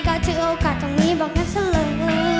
ก็ถือโอกาสตรงนี้บอกงั้นซะเลย